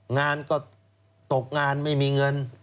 งานก็ตกงานไม่มีเงิน